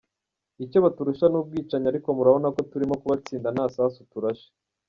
Icyo baturusha ni ubwicanyi ariko murabona ko turimo kubatsinda nta sasu turashe.